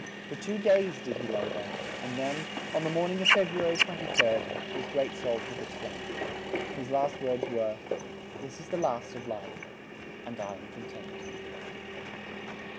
For two days did he lay there, and then, on the morn ing of Feb ru a ry 23d, his great soul took its flight. His last words were: "This is the last of life, and I am con tent."